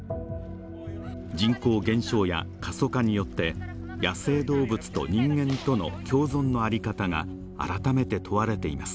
人口減少や過疎化によって野生動物と人間との共存の在り方が改めて問われています